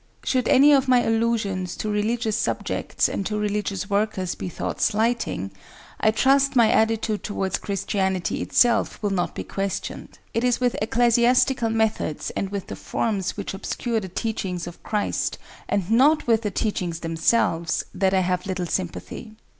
Should any of my allusions to religious subjects and to religious workers be thought slighting, I trust my attitude towards Christianity itself will not be questioned. It is with ecclesiastical methods and with the forms which obscure the teachings of Christ, and not with the teachings themselves, that I have little sympathy.